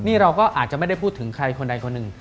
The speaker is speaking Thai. นี่เราก็อาจจะไม่ได้พูดถึงใครคนใดคนหนึ่ง